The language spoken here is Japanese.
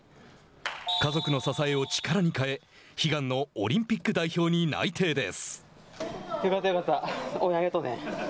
家族の支えを力に変え悲願のオリンピック代表に内定です。